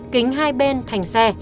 kính hai bên thành xe